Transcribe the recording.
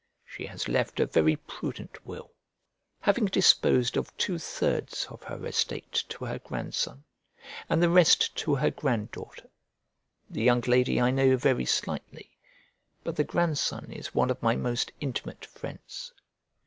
She has left a very prudent will, having disposed of two thirds of her estate to her grandson, and the rest to her grand daughter. The young lady I know very slightly, but the grandson is one of my most intimate friends.